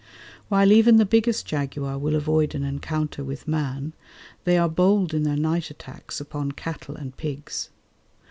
While even the biggest jaguar will avoid an encounter with man, they are bold in their night attacks upon cattle and pigs.